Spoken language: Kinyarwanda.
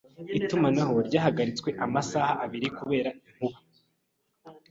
Itumanaho ryahagaritswe amasaha abiri kubera inkuba